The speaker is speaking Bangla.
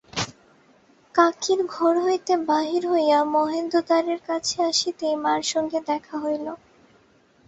কাকীর ঘর হইতে বাহির হইয়া মহেন্দ দ্বারের কাছে আসিতেই মার সঙ্গে দেখা হইল।